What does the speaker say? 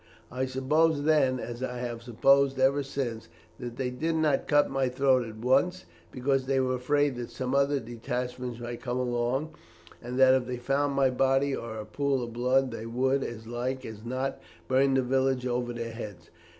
I supposed then, as I have supposed ever since, that they did not cut my throat at once, because they were afraid that some other detachment might come along, and that if they found my body or a pool of blood, they would, as like as not, burn the village over their heads.